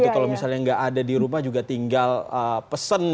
kalau misalnya tidak ada di rumah juga tinggal pesan